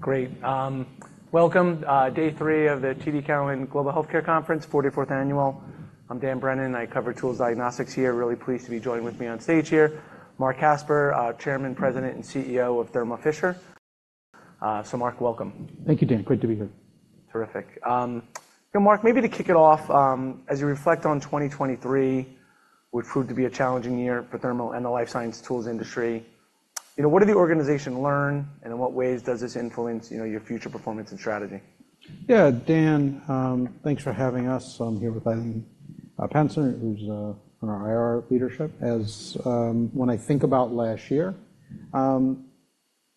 Great. Welcome to day three of the TD Cowen Global Healthcare Conference, 44th annual. I'm Dan Brennan. I cover tools and diagnostics here. Really pleased to be joining with me on stage here, Marc Casper, chairman, president, and CEO of Thermo Fisher. So, Marc, welcome. Thank you, Dan. Great to be here. Terrific. You know, Marc, maybe to kick it off, as you reflect on 2023, which proved to be a challenging year for Thermo and the life science tools industry, you know, what did the organization learn, and in what ways does this influence, you know, your future performance and strategy? Yeah, Dan, thanks for having us. I'm here with Rafael Tejada, who's from our IR leadership. When I think about last year,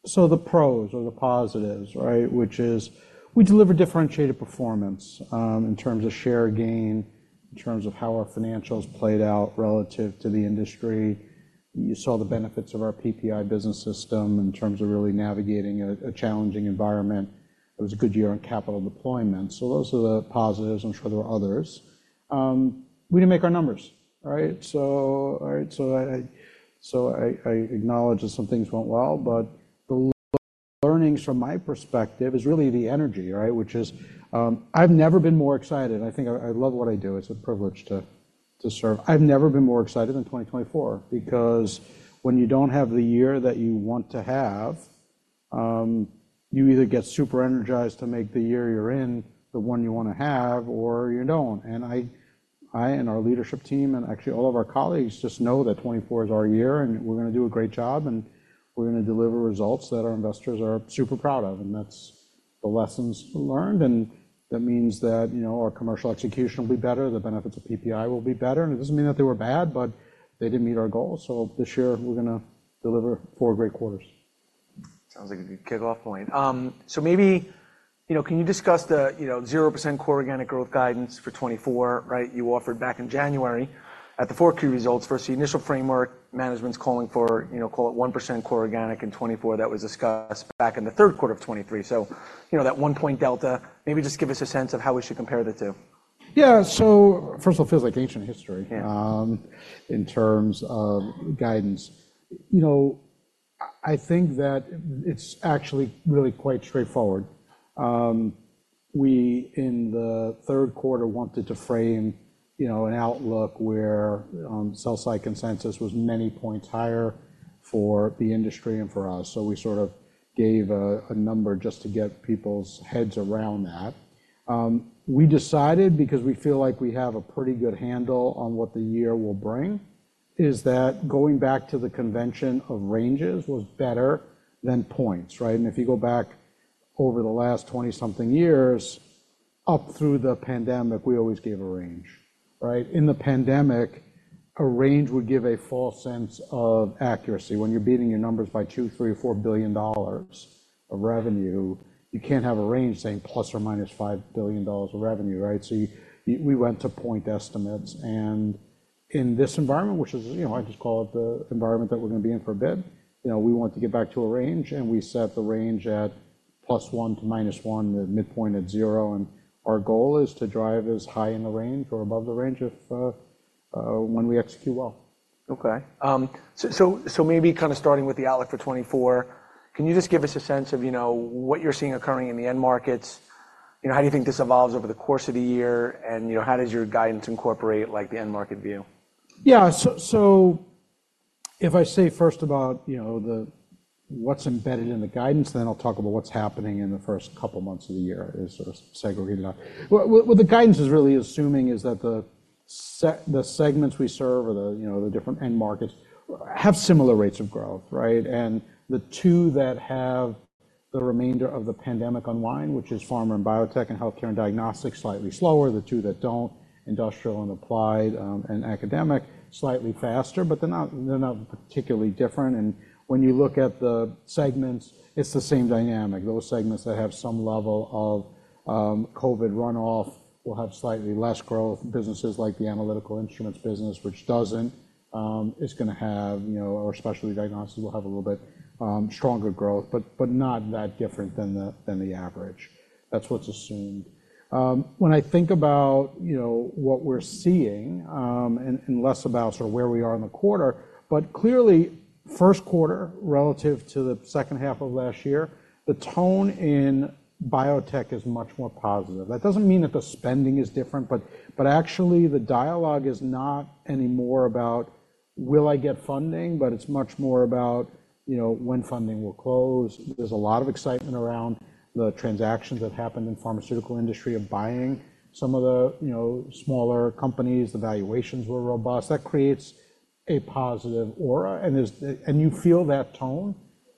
so the pros or the positives, right, which is we deliver differentiated performance, in terms of share gain, in terms of how our financials played out relative to the industry. You saw the benefits of our PPI Business System in terms of really navigating a challenging environment. It was a good year on capital deployment. So those are the positives. I'm sure there were others. We didn't make our numbers, right? So, all right, so I acknowledge that some things went well, but the learnings from my perspective is really the energy, right, which is, I've never been more excited. I think I love what I do. It's a privilege to serve. I've never been more excited than 2024 because when you don't have the year that you want to have, you either get super energized to make the year you're in the one you want to have, or you don't. And I and our leadership team and actually all of our colleagues just know that 2024 is our year, and we're going to do a great job, and we're going to deliver results that our investors are super proud of. And that's the lessons learned. And that means that, you know, our commercial execution will be better. The benefits of PPI will be better. And it doesn't mean that they were bad, but they didn't meet our goals. So this year, we're going to deliver four great quarters. Sounds like a good kickoff point. So maybe, you know, can you discuss the, you know, 0% core organic growth guidance for 2024, right, you offered back in January at the 4Q results first. The initial framework management's calling for, you know, call it 1% core organic in 2024. That was discussed back in the third quarter of 2023. So, you know, that 1-point delta, maybe just give us a sense of how we should compare the two. Yeah. So first of all, it feels like ancient history, in terms of guidance. You know, I, I think that it's actually really quite straightforward. We in the third quarter wanted to frame, you know, an outlook where sell-side consensus was many points higher for the industry and for us. So we sort of gave a, a number just to get people's heads around that. We decided because we feel like we have a pretty good handle on what the year will bring, is that going back to the convention of ranges was better than points, right? And if you go back over the last 20-something years, up through the pandemic, we always gave a range, right? In the pandemic, a range would give a false sense of accuracy. When you're beating your numbers by $2, $3, or $4 billion of revenue, you can't have a range saying plus or minus $5 billion of revenue, right? So we went to point estimates. And in this environment, which is, you know, I just call it the environment that we're going to be in for a bit, you know, we want to get back to a range. And we set the range at +1 to -1, the midpoint at zero. And our goal is to drive as high in the range or above the range if, when we execute well. Okay. So maybe kind of starting with the outlook for 2024, can you just give us a sense of, you know, what you're seeing occurring in the end markets? You know, how do you think this evolves over the course of the year? You know, how does your guidance incorporate, like, the end market view? Yeah. So if I say first about, you know, what's embedded in the guidance, then I'll talk about what's happening in the first couple months of the year as sort of segregated out. What the guidance is really assuming is that the segments we serve or the, you know, the different end markets have similar rates of growth, right? And the two that have the remainder of the pandemic unwind, which is pharma and biotech and healthcare and diagnostics, slightly slower. The two that don't, industrial and applied, and academic, slightly faster. But they're not particularly different. And when you look at the segments, it's the same dynamic. Those segments that have some level of COVID runoff will have slightly less growth. Businesses like the analytical instruments business, which doesn't, is going to have, you know, or specialty diagnostics will have a little bit stronger growth, but, but not that different than the than the average. That's what's assumed. When I think about, you know, what we're seeing, and, and less about sort of where we are in the quarter, but clearly, first quarter relative to the second half of last year, the tone in biotech is much more positive. That doesn't mean that the spending is different, but, but actually, the dialogue is not anymore about, "Will I get funding?" But it's much more about, you know, when funding will close. There's a lot of excitement around the transactions that happened in the pharmaceutical industry of buying some of the, you know, smaller companies. The valuations were robust. That creates a positive aura. And you feel that tone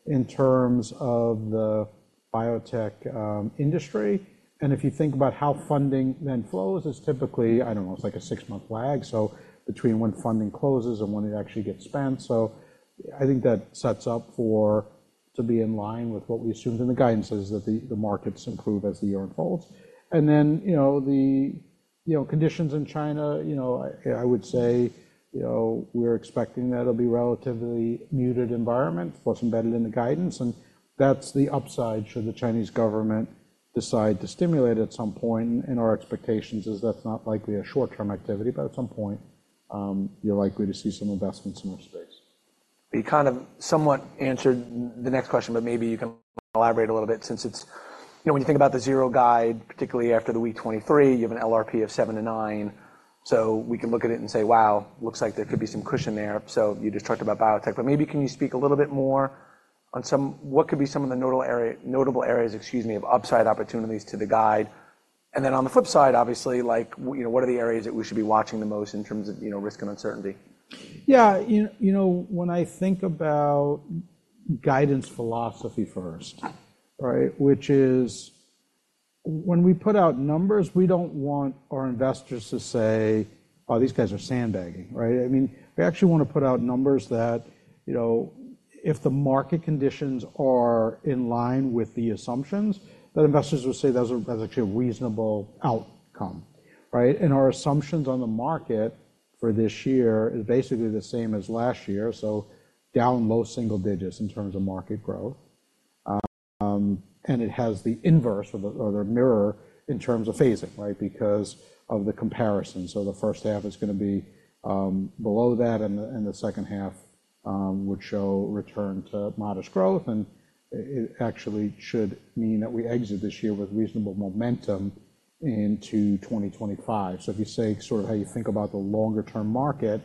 in terms of the biotech industry. And if you think about how funding then flows, it's typically, I don't know, it's like a six-month lag, so between when funding closes and when it actually gets spent. So I think that sets up for to be in line with what we assumed in the guidance, is that the markets improve as the year unfolds. And then, you know, the conditions in China, you know, I would say, you know, we're expecting that it'll be a relatively muted environment, what's embedded in the guidance. And that's the upside should the Chinese government decide to stimulate at some point. And our expectations is that's not likely a short-term activity, but at some point, you're likely to see some investments in our space. You kind of somewhat answered the next question, but maybe you can elaborate a little bit since it's, you know, when you think about the Q4 guide, particularly after Q4 2023, you have an LRP of 7% to 9%. So we can look at it and say, "Wow, looks like there could be some cushion there." So you just talked about biotech. But maybe can you speak a little bit more on some what could be some of the notable areas, excuse me, of upside opportunities to the guide? And then on the flip side, obviously, like, you know, what are the areas that we should be watching the most in terms of, you know, risk and uncertainty? Yeah. You know, you know, when I think about guidance philosophy first, right, which is when we put out numbers, we don't want our investors to say, "Oh, these guys are sandbagging," right? I mean, we actually want to put out numbers that, you know, if the market conditions are in line with the assumptions, that investors would say that's a that's actually a reasonable outcome, right? And our assumptions on the market for this year is basically the same as last year, so down most single digits in terms of market growth. And it has the inverse or the or the mirror in terms of phasing, right, because of the comparison. So the first half is going to be, below that, and the and the second half, would show return to modest growth. And it, it actually should mean that we exit this year with reasonable momentum into 2025. So if you say sort of how you think about the longer-term market,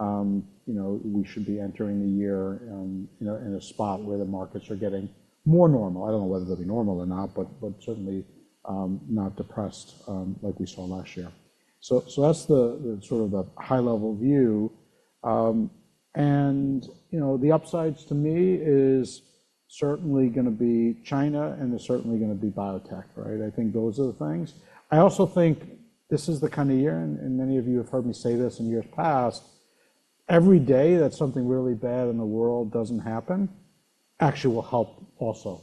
you know, we should be entering the year, you know, in a spot where the markets are getting more normal. I don't know whether they'll be normal or not, but certainly not depressed, like we saw last year. So that's the sort of the high-level view. You know, the upsides to me is certainly going to be China, and there's certainly going to be biotech, right? I think those are the things. I also think this is the kind of year, and many of you have heard me say this in years past, every day that something really bad in the world doesn't happen actually will help also,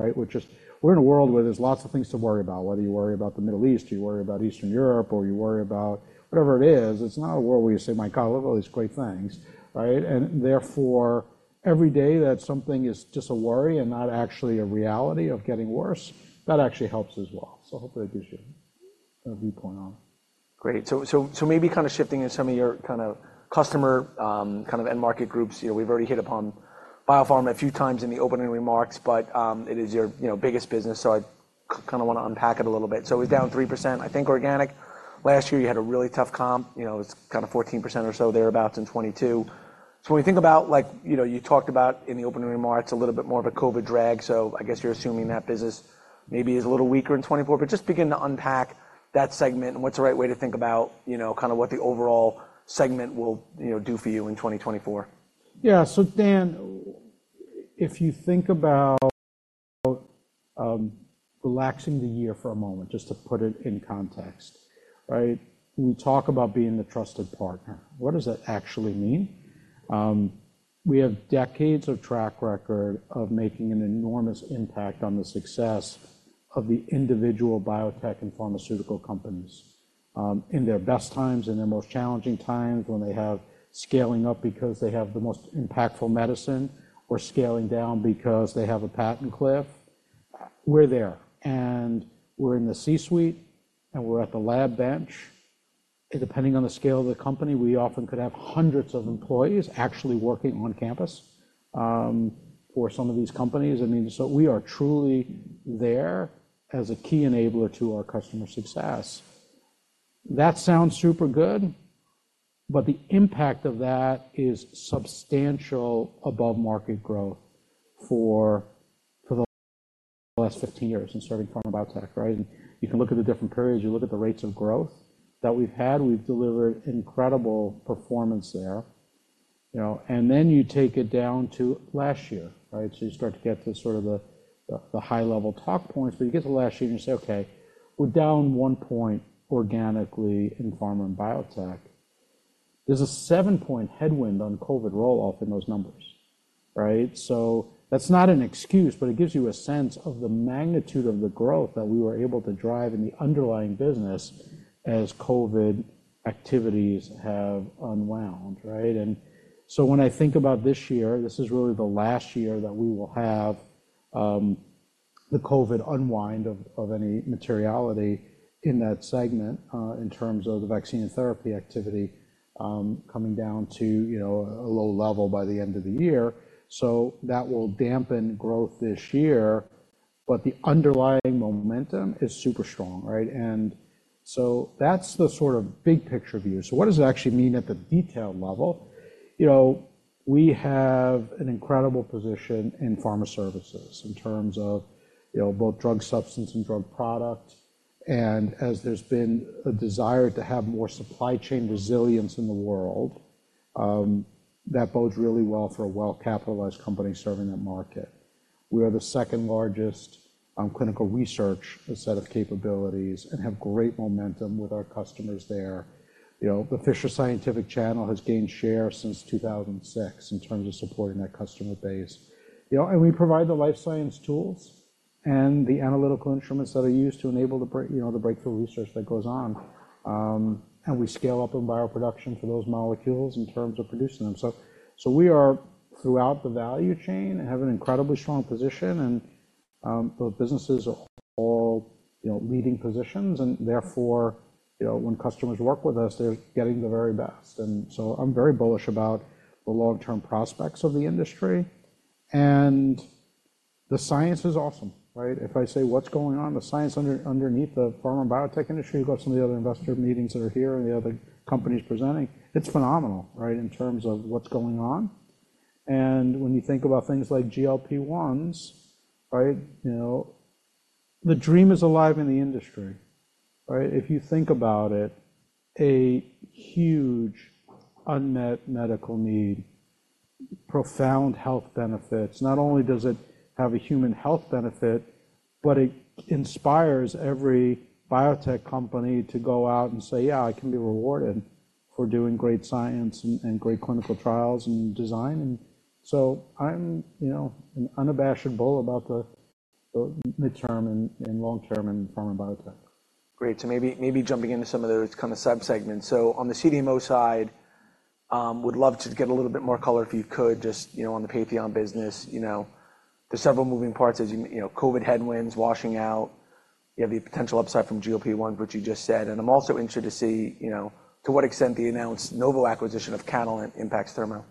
right, which is we're in a world where there's lots of things to worry about. Whether you worry about the Middle East, or you worry about Eastern Europe, or you worry about whatever it is, it's not a world where you say, "My God, look at all these great things," right? And therefore, every day that something is just a worry and not actually a reality of getting worse, that actually helps as well. So hopefully, that gives you a viewpoint on it. Great. So maybe kind of shifting into some of your kind of customer, kind of end market groups. You know, we've already hit upon biopharma a few times in the opening remarks, but it is your, you know, biggest business. So I kind of want to unpack it a little bit. So it was down 3%, I think, organic. Last year, you had a really tough comp. You know, it was kind of 14% or so thereabouts in 2022. So when we think about, like, you know, you talked about in the opening remarks, a little bit more of a COVID drag. So I guess you're assuming that business maybe is a little weaker in 2024. But just begin to unpack that segment and what's the right way to think about, you know, kind of what the overall segment will, you know, do for you in 2024. Yeah. So, Dan, if you think about relaxing the year for a moment, just to put it in context, right? We talk about being the trusted partner. What does that actually mean? We have decades of track record of making an enormous impact on the success of the individual biotech and pharmaceutical companies, in their best times, in their most challenging times, when they have scaling up because they have the most impactful medicine, or scaling down because they have a patent cliff. We're there. And we're in the C-suite, and we're at the lab bench. Depending on the scale of the company, we often could have hundreds of employees actually working on campus, for some of these companies. I mean, so we are truly there as a key enabler to our customer success. That sounds super good, but the impact of that is substantial above market growth for the last 15 years in serving pharma and biotech, right? And you can look at the different periods. You look at the rates of growth that we've had. We've delivered incredible performance there, you know. And then you take it down to last year, right? So you start to get to sort of the high-level talk points. But you get to last year, and you say, "Okay, we're down 1-point organically in pharma and biotech. There's a 7-point headwind on COVID rolloff in those numbers," right? So that's not an excuse, but it gives you a sense of the magnitude of the growth that we were able to drive in the underlying business as COVID activities have unwound, right? And so when I think about this year, this is really the last year that we will have the COVID unwind of any materiality in that segment, in terms of the vaccine and therapy activity, coming down to, you know, a low level by the end of the year. So that will dampen growth this year. But the underlying momentum is super strong, right? And so that's the sort of big picture view. So what does it actually mean at the detailed level? You know, we have an incredible position in pharma services in terms of, you know, both drug substance and drug product. And as there's been a desire to have more supply chain resilience in the world, that bodes really well for a well-capitalized company serving that market. We are the second-largest clinical research set of capabilities and have great momentum with our customers there. You know, the Fisher Scientific Channel has gained share since 2006 in terms of supporting that customer base, you know. And we provide the life science tools and the analytical instruments that are used to enable the breakthrough research that goes on. We scale up in bioproduction for those molecules in terms of producing them. So we are throughout the value chain and have an incredibly strong position. And the businesses are all, you know, leading positions. And therefore, you know, when customers work with us, they're getting the very best. And so I'm very bullish about the long-term prospects of the industry. And the science is awesome, right? If I say, "What's going on?" The science underneath the pharma and biotech industry, you go to some of the other investor meetings that are here and the other companies presenting, it's phenomenal, right, in terms of what's going on. And when you think about things like GLP-1s, right, you know, the dream is alive in the industry, right? If you think about it, a huge unmet medical need, profound health benefits, not only does it have a human health benefit, but it inspires every biotech company to go out and say, "Yeah, I can be rewarded for doing great science and great clinical trials and design." And so I'm, you know, an unabashed bull about the midterm and long-term in pharma and biotech. Great. So maybe jumping into some of those kind of subsegments. So on the CDMO side, would love to get a little bit more color if you could, just, you know, on the Patheon business. You know, there's several moving parts, as you know, COVID headwinds washing out. You have the potential upside from GLP-1s, which you just said. And I'm also interested to see, you know, to what extent the announced Novo acquisition of Catalent impacts Thermo.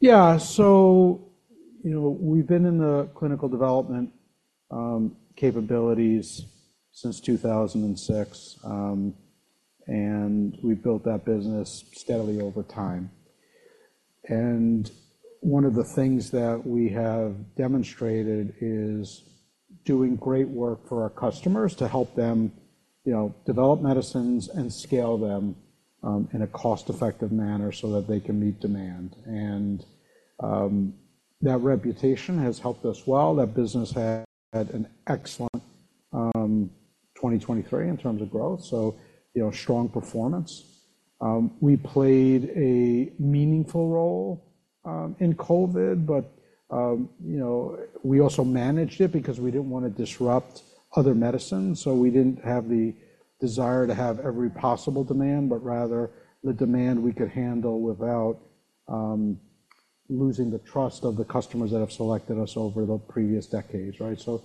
Yeah. So, you know, we've been in the clinical development capabilities since 2006. We've built that business steadily over time. One of the things that we have demonstrated is doing great work for our customers to help them, you know, develop medicines and scale them in a cost-effective manner so that they can meet demand. That reputation has helped us well. That business had an excellent 2023 in terms of growth. So, you know, strong performance. We played a meaningful role in COVID. But, you know, we also managed it because we didn't want to disrupt other medicines. We didn't have the desire to have every possible demand, but rather the demand we could handle without losing the trust of the customers that have selected us over the previous decades, right? So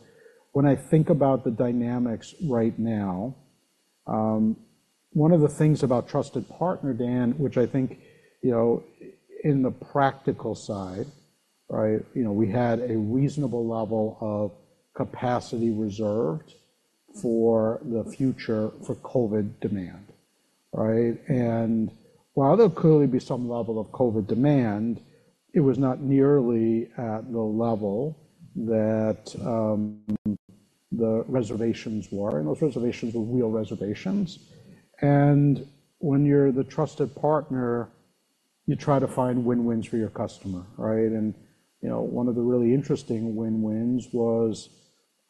when I think about the dynamics right now, one of the things about trusted partner, Dan Brennan, which I think, you know, in the practical side, right, you know, we had a reasonable level of capacity reserved for the future for COVID demand, right? While there could be some level of COVID demand, it was not nearly at the level that the reservations were. Those reservations were real reservations. When you're the trusted partner, you try to find win-wins for your customer, right? You know, one of the really interesting win-wins was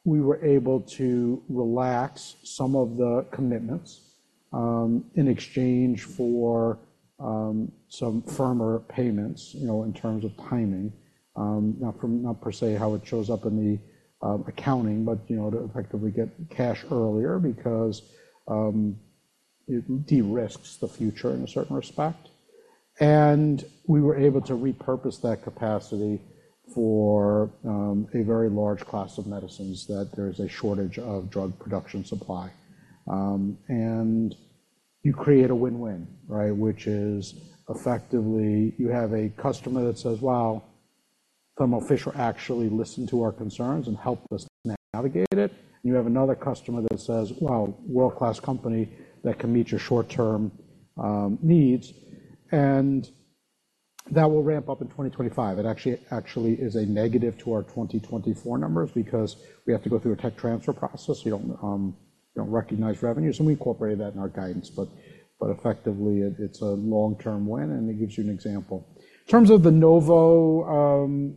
we were able to relax some of the commitments in exchange for some firmer payments, you know, in terms of timing, not from not per se how it shows up in the accounting, but you know, to effectively get cash earlier because it de-risks the future in a certain respect. We were able to repurpose that capacity for a very large class of medicines that there is a shortage of drug production supply. And you create a win-win, right, which is effectively you have a customer that says, "Wow, Thermo Fisher actually listened to our concerns and helped us navigate it." And you have another customer that says, "Wow, world-class company that can meet your short-term needs." And that will ramp up in 2025. It actually, actually is a negative to our 2024 numbers because we have to go through a tech transfer process. You don't, you don't recognize revenues. And we incorporated that in our guidance. But, but effectively, it's a long-term win. And it gives you an example. In terms of the Novo Holdings,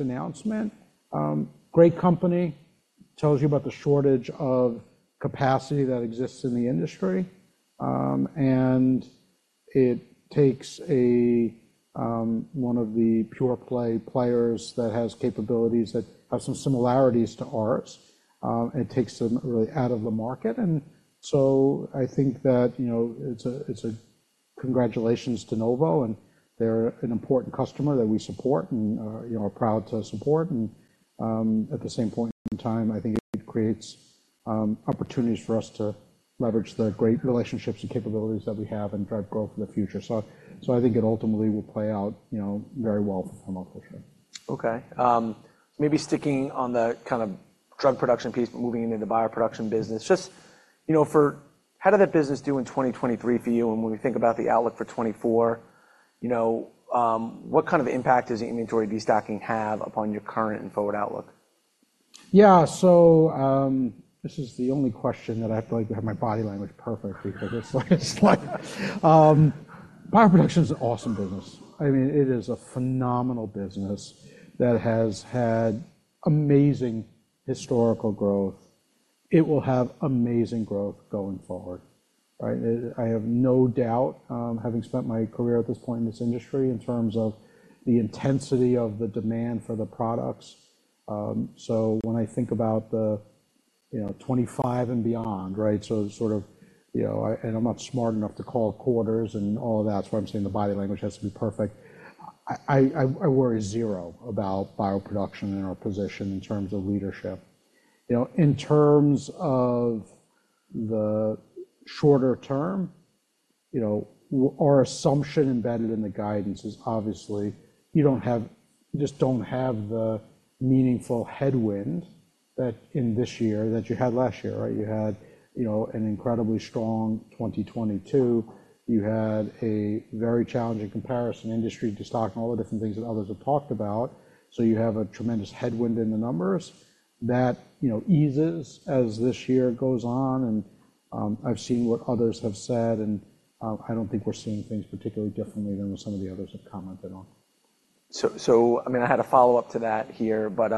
you know, announcement, great company. Tells you about the shortage of capacity that exists in the industry. And it takes one of the pure-play players that has capabilities that have some similarities to ours. It takes them really out of the market. And so I think that, you know, it's a congratulations to Novo. And they're an important customer that we support and, you know, are proud to support. And, at the same point in time, I think it creates opportunities for us to leverage the great relationships and capabilities that we have and drive growth in the future. So I think it ultimately will play out, you know, very well for Thermo Fisher. Okay. Maybe sticking on the kind of drug production piece, but moving into the bioproduction business, just, you know, for how did that business do in 2023 for you? And when we think about the outlook for 2024, you know, what kind of impact does the inventory destocking have upon your current and forward outlook? Yeah. So, this is the only question that I feel like I have my body language perfect because it's like it's like, bioproduction is an awesome business. I mean, it is a phenomenal business that has had amazing historical growth. It will have amazing growth going forward, right? I have no doubt, having spent my career at this point in this industry in terms of the intensity of the demand for the products. So when I think about the, you know, 2025 and beyond, right, so sort of, you know, I and I'm not smart enough to call quarters and all of that. That's why I'm saying the body language has to be perfect. I, I, I, I worry zero about bioproduction in our position in terms of leadership. You know, in terms of the shorter term, you know, our assumption embedded in the guidance is obviously you don't have you just don't have the meaningful headwind that in this year that you had last year, right? You had, you know, an incredibly strong 2022. You had a very challenging comparison industry to stock and all the different things that others have talked about. So you have a tremendous headwind in the numbers that, you know, eases as this year goes on. And, I've seen what others have said. And, I don't think we're seeing things particularly differently than what some of the others have commented on. So I mean, I had a follow-up to that here. But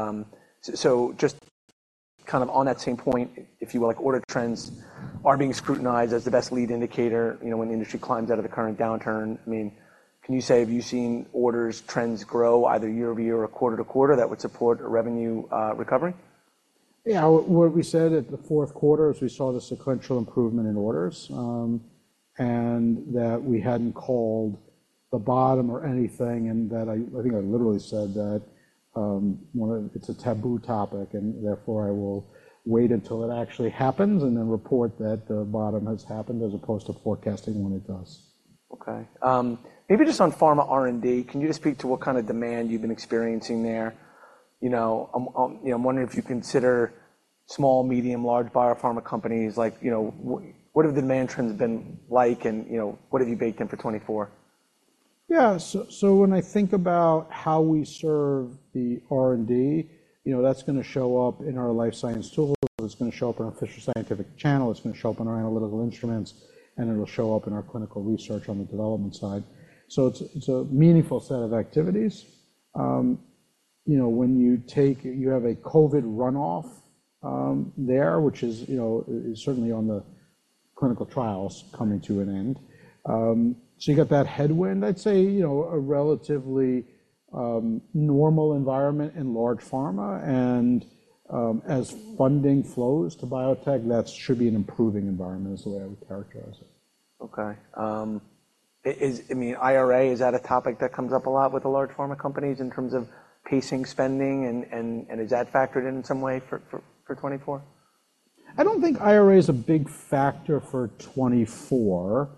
just kind of on that same point, if you will, like, order trends are being scrutinized as the best lead indicator, you know, when the industry climbs out of the current downturn. I mean, can you say have you seen order trends grow either year-over-year or quarter-to-quarter that would support revenue recovery? Yeah. What we said at the fourth quarter is we saw the sequential improvement in orders, and that we hadn't called the bottom or anything. And that I think I literally said that, one of it's a taboo topic. And therefore, I will wait until it actually happens and then report that the bottom has happened as opposed to forecasting when it does. Okay. Maybe just on pharma R&D, can you just speak to what kind of demand you've been experiencing there? You know, I'm wondering if you consider small, medium, large biopharma companies. Like, you know, what have the demand trends been like? You know, what have you baked in for 2024? Yeah. So when I think about how we serve the R&D, you know, that's going to show up in our life science tools. It's going to show up on our Fisher Scientific Channel. It's going to show up on our analytical instruments. And it'll show up in our clinical research on the development side. So it's a meaningful set of activities. You know, when you take, you have a COVID runoff there, which is, you know, certainly on the clinical trials coming to an end. So you got that headwind. I'd say, you know, a relatively normal environment in large pharma. And as funding flows to biotech, that should be an improving environment, is the way I would characterize it. Okay. I mean, IRA, is that a topic that comes up a lot with the large pharma companies in terms of pacing spending? And is that factored in in some way for 2024? I don't think IRA is a big factor for 2024.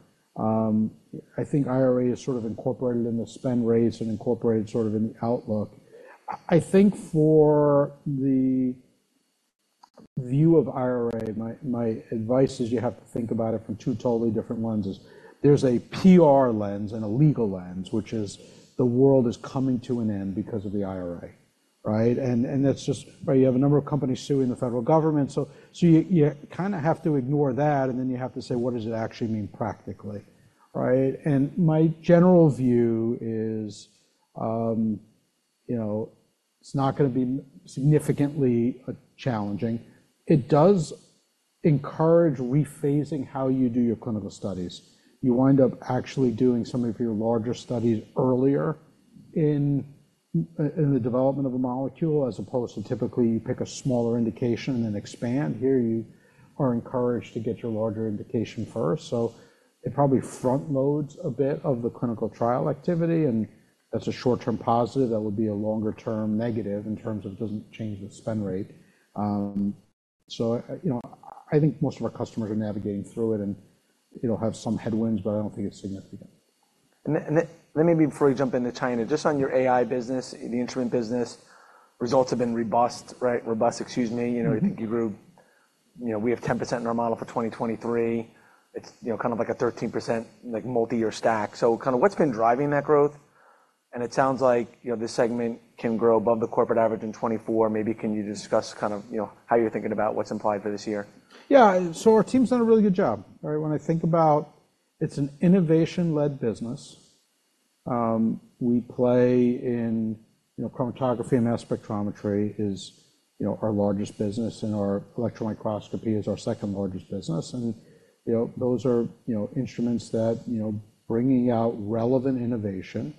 I think IRA is sort of incorporated in the spend rates and incorporated sort of in the outlook. I think for the view of IRA, my advice is you have to think about it from two totally different lenses. There's a PR lens and a legal lens, which is the world is coming to an end because of the IRA, right? And that's just right. You have a number of companies suing the federal government. So you kind of have to ignore that. And then you have to say, "What does it actually mean practically," right? And my general view is, you know, it's not going to be significantly challenging. It does encourage rephasing how you do your clinical studies. You wind up actually doing some of your larger studies earlier in the development of a molecule as opposed to typically you pick a smaller indication and then expand. Here, you are encouraged to get your larger indication first. So it probably front-loads a bit of the clinical trial activity. That's a short-term positive. That would be a longer-term negative in terms of it doesn't change the spend rate. So, you know, I think most of our customers are navigating through it. It'll have some headwinds. But I don't think it's significant. And then, and then maybe before you jump into China, just on your AI business, the instrument business, results have been robust, right? Robust, excuse me. You know, I think you grew you know, we have 10% in our model for 2023. It's, you know, kind of like a 13%, like, multi-year stack. So kind of what's been driving that growth? It sounds like, you know, this segment can grow above the corporate average in 2024. Maybe can you discuss kind of, you know, how you're thinking about what's implied for this year? Yeah. So our team's done a really good job, right, when I think about it's an innovation-led business. We play in, you know, chromatography and mass spectrometry is, you know, our largest business. And our electron microscopy is our second largest business. And, you know, those are, you know, instruments that, you know, bringing out relevant innovation,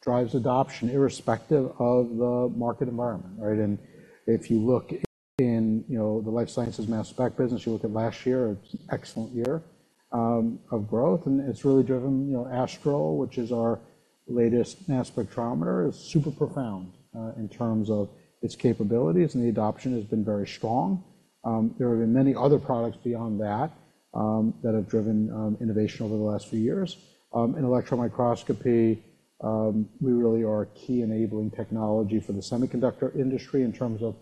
drives adoption irrespective of the market environment, right? And if you look in, you know, the life sciences mass spec business, you look at last year, it's an excellent year, of growth. And it's really driven, you know, Astral, which is our latest mass spectrometer, is super profound, in terms of its capabilities. And the adoption has been very strong. There have been many other products beyond that, that have driven, innovation over the last few years. In electron microscopy, we really are a key enabling technology for the semiconductor industry in terms of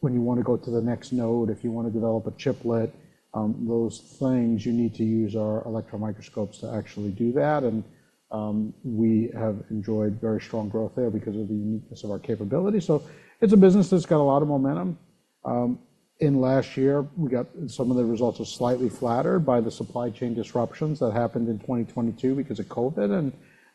when you want to go to the next node, if you want to develop a chiplet, those things, you need to use our electron microscopes to actually do that. And, we have enjoyed very strong growth there because of the uniqueness of our capabilities. So it's a business that's got a lot of momentum. In last year, we got some of the results are slightly flattered by the supply chain disruptions that happened in 2022 because of COVID.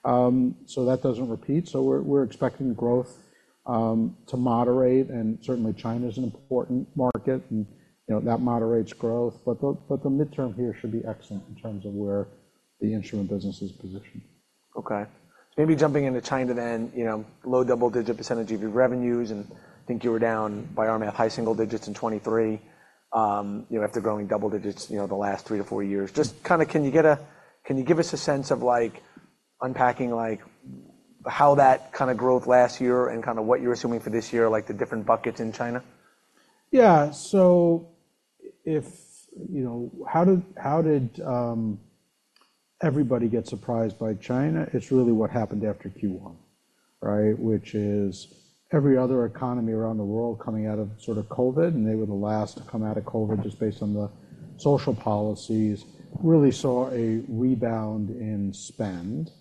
And, so that doesn't repeat. So we're expecting growth to moderate. And certainly, China is an important market. And, you know, that moderates growth. But the midterm here should be excellent in terms of where the instrument business is positioned. Okay. Maybe jumping into China then, you know, low double-digit % of your revenues. I think you were down by our math, high single digits in 2023, you know, after growing double digits, you know, the last three to four years. Just kind of can you give us a sense of, like, unpacking, like, how that kind of growth last year and kind of what you're assuming for this year, like the different buckets in China? Yeah. So, you know, how did everybody get surprised by China? It's really what happened after Q1, right, which is every other economy around the world coming out of sort of COVID—and they were the last to come out of COVID just based on the social policies—really saw a rebound in spend,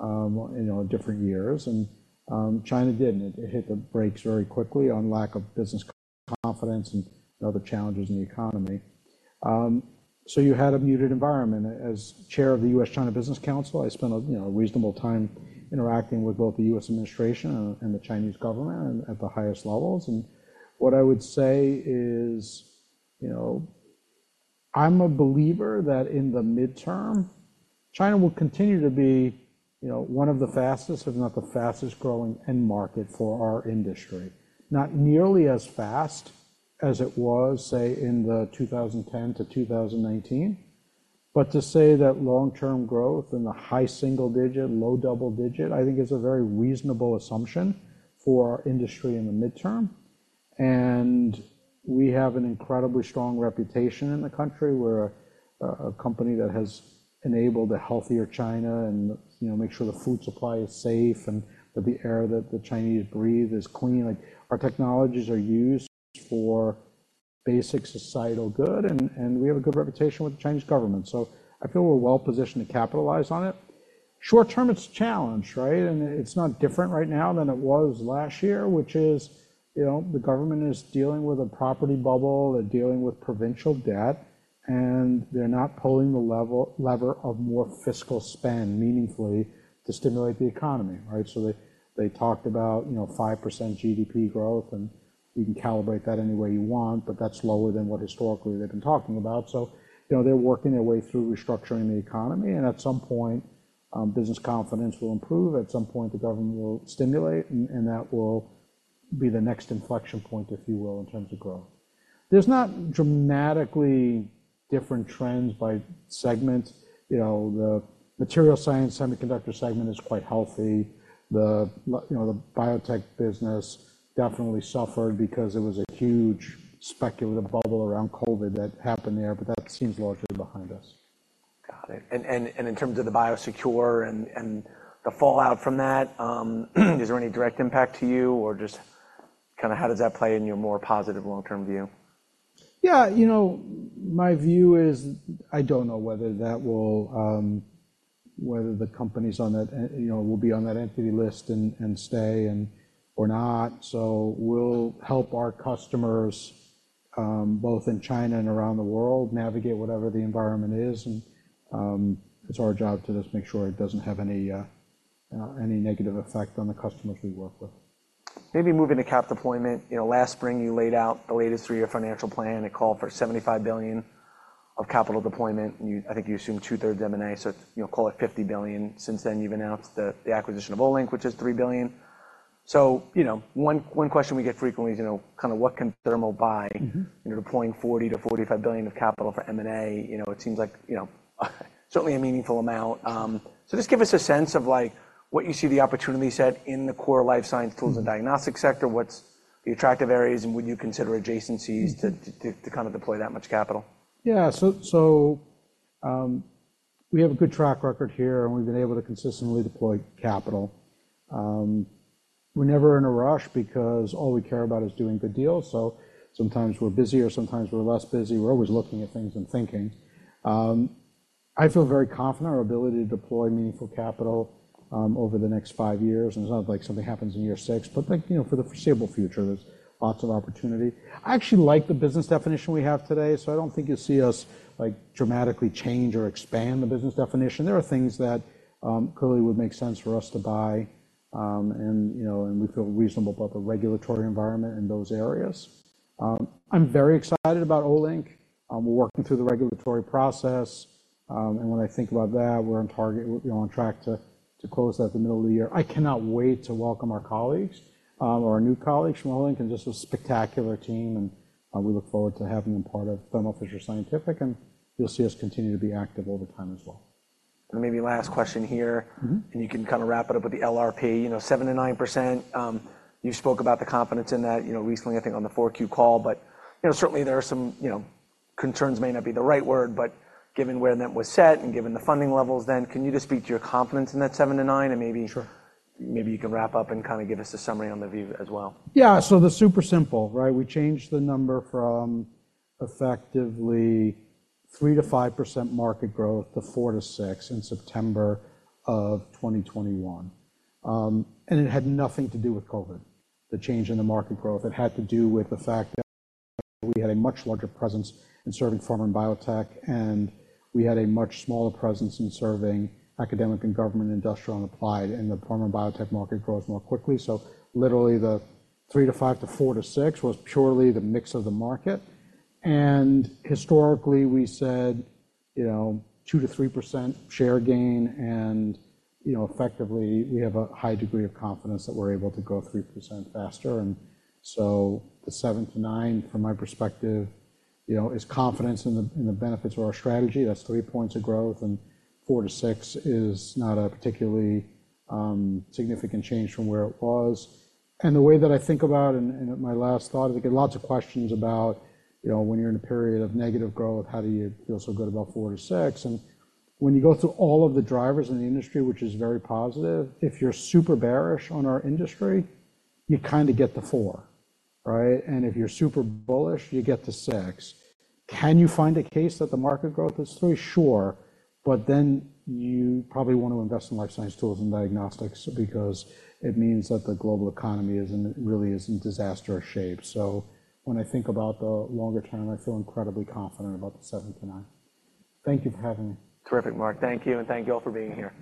you know, in different years. And China didn't. It hit the brakes very quickly on lack of business confidence and other challenges in the economy. So you had a muted environment. As chair of the US-China Business Council, I spent a, you know, reasonable time interacting with both the US administration and the Chinese government at the highest levels. What I would say is, you know, I'm a believer that in the midterm, China will continue to be, you know, one of the fastest, if not the fastest-growing end market for our industry. Not nearly as fast as it was, say, in the 2010 to 2019. But to say that long-term growth and the high single-digit, low double-digit, I think is a very reasonable assumption for our industry in the midterm. And we have an incredibly strong reputation in the country. We're a company that has enabled a healthier China and, you know, make sure the food supply is safe and that the air that the Chinese breathe is clean. Like, our technologies are used for basic societal good. And we have a good reputation with the Chinese government. So I feel we're well positioned to capitalize on it. Short-term, it's a challenge, right? And it's not different right now than it was last year, which is, you know, the government is dealing with a property bubble. They're dealing with provincial debt. And they're not pulling the level lever of more fiscal spend meaningfully to stimulate the economy, right? So they, they talked about, you know, 5% GDP growth. And you can calibrate that any way you want. But that's lower than what historically they've been talking about. So, you know, they're working their way through restructuring the economy. And at some point, business confidence will improve. At some point, the government will stimulate. And, and that will be the next inflection point, if you will, in terms of growth. There's not dramatically different trends by segment. You know, the materials science semiconductor segment is quite healthy. You know, the biotech business definitely suffered because it was a huge speculative bubble around COVID that happened there. But that seems largely behind us. Got it. And in terms of the BIOSECURE and the fallout from that, is there any direct impact to you? Or just kind of how does that play in your more positive long-term view? Yeah. You know, my view is I don't know whether the companies on that, you know, will be on that Entity List and stay or not. So we'll help our customers, both in China and around the world, navigate whatever the environment is. It's our job to just make sure it doesn't have any negative effect on the customers we work with. Maybe moving to cap deployment. You know, last spring, you laid out the latest three-year financial plan. It called for $75 billion of capital deployment. And you I think you assumed two-thirds M&A. So, you know, call it $50 billion. Since then, you've announced the acquisition of Olink, which is $3 billion. So, you know, one question we get frequently is, you know, kind of what can Thermo buy, you know, deploying $40 billion-$45 billion of capital for M&A? You know, it seems like, you know, certainly a meaningful amount. So just give us a sense of, like, what you see the opportunity set in the core life science tools and diagnostic sector, what's the attractive areas, and would you consider adjacencies to, to, to kind of deploy that much capital? Yeah. So, we have a good track record here. We've been able to consistently deploy capital. We're never in a rush because all we care about is doing good deals. So sometimes, we're busy. Or sometimes, we're less busy. We're always looking at things and thinking. I feel very confident in our ability to deploy meaningful capital, over the next five years. And it's not like something happens in year six. But, like, you know, for the foreseeable future, there's lots of opportunity. I actually like the business definition we have today. So I don't think you'll see us, like, dramatically change or expand the business definition. There are things that, clearly would make sense for us to buy, and, you know, and we feel reasonable about the regulatory environment in those areas. I'm very excited about Olink. We're working through the regulatory process. When I think about that, we're on target, you know, on track to close that at the middle of the year. I cannot wait to welcome our colleagues, or our new colleagues from Olink. This was a spectacular team. We look forward to having them part of Thermo Fisher Scientific. You'll see us continue to be active over time as well. Maybe last question here. Mm-hmm. And you can kind of wrap it up with the LRP, you know, 7%-9%. You spoke about the confidence in that, you know, recently, I think, on the 4Q call. But, you know, certainly, there are some, you know, concerns may not be the right word. But given where that was set and given the funding levels then, can you just speak to your confidence in that 7%-9%? And maybe. Sure. Maybe you can wrap up and kind of give us a summary on the view as well. Yeah. So the super simple, right, we changed the number from effectively 3%-5% market growth to 4%-6% in September of 2021. And it had nothing to do with COVID, the change in the market growth. It had to do with the fact that we had a much larger presence in serving pharma and biotech. And we had a much smaller presence in serving academic and government industrial and applied. And the pharma and biotech market grows more quickly. So literally, the 3%-5% to 4%-6% was purely the mix of the market. And historically, we said, you know, 2%-3% share gain. And, you know, effectively, we have a high degree of confidence that we're able to grow 3% faster. So the 7%-9%, from my perspective, you know, is confidence in the benefits of our strategy. That's 3-points of growth. And 4%-6% is not a particularly significant change from where it was. And the way that I think about it and my last thought is, again, lots of questions about, you know, when you're in a period of negative growth, how do you feel so good about 4%-6%? And when you go through all of the drivers in the industry, which is very positive, if you're super bearish on our industry, you kind of get the 4%, right? And if you're super bullish, you get the 6%. Can you find a case that the market growth is three? Sure. But then you probably want to invest in life science tools and diagnostics because it means that the global economy isn't really in disaster shape. So when I think about the longer term, I feel incredibly confident about the 7%-9%. Thank you for having me. Terrific, Marc. Thank you. Thank you all for being here.